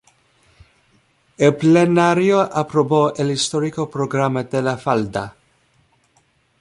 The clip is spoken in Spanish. El Plenario aprobó el histórico Programa de La Falda.